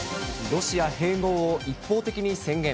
ロシア併合を一方的に宣言。